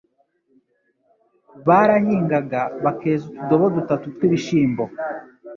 Barahingaga bakeza utudobo dutatu tw'ibishimbo